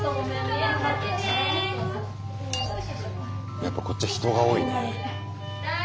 やっぱこっちは人が多いね。